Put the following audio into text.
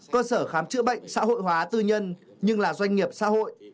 cơ sở khám chữa bệnh xã hội hóa tư nhân nhưng là doanh nghiệp xã hội